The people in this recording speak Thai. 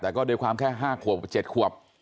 แต่ก็โดยความแค่๕ขวบ๗ขวบ